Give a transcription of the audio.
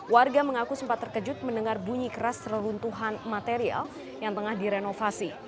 warga mengaku sempat terkejut mendengar bunyi keras reruntuhan material yang tengah direnovasi